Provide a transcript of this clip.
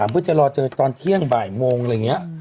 เพื่อจะรอเจอตอนเที่ยงบ่ายโมงอะไรอย่างนี้